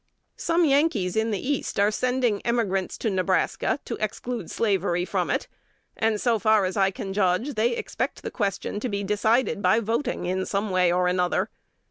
Some Yankees in the East are sending emigrants to Nebraska to exclude slavery from it; and, so far as I can judge, they expect the question to be decided by voting in some way or other.